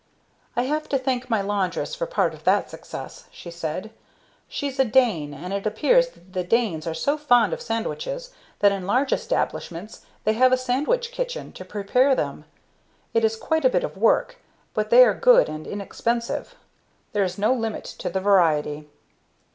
"I have to thank my laundress for part of that success," she said. "She's a Dane, and it appears that the Danes are so fond of sandwiches that, in large establishments, they have a 'sandwich kitchen' to prepare them. It is quite a bit of work, but they are good and inexpensive. There is no limit to the variety."